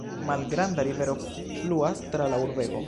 Malgranda rivero fluas tra la urbego.